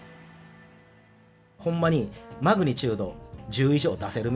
ほんまにマグニチュード１０以上出せるみたいなすげえ話があって。